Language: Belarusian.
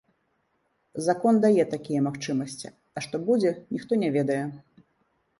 Закон дае такія магчымасці, а што будзе, ніхто не ведае.